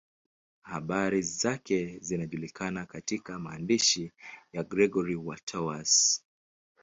Habari zake zinajulikana katika maandishi ya Gregori wa Tours.